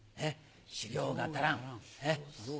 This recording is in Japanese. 修行が足らん！